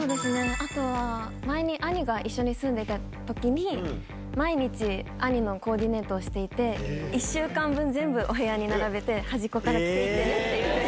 あとは前に兄が一緒に住んでたときに毎日、兄のコーディネートをしていて、１週間分、全部お部屋に並べて、端っこから着ていってねって言って。